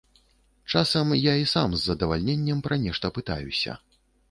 Часам я і сам з задавальненнем пра нешта пытаюся.